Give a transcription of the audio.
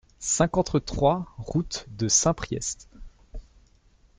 cinquante-trois route de Saint-Priest